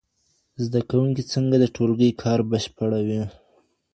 زده کوونکي څنګه د ټولګي کار بشپړوي؟